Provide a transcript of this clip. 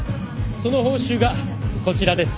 その報酬がこちらです。